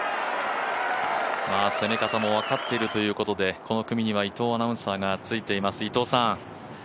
攻め方も分かっているということで、この組には伊藤アナウンサーがついています。